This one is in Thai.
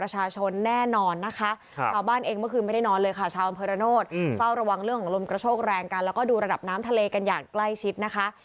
แน่นอนนะคะชาวบ้านเองเมื่อคืนไม่ได้นอนเลยค่ะชาวอำเภอระโนธเฝ้าระวังเรื่องของลมกระโชกแรงกันแล้วก็ดูระดับน้ำทะเลกันอย่างใกล้ชิดนะคะ